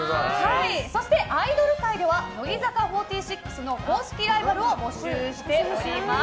そしてアイドル界では乃木坂４６の公式ライバルを募集しております。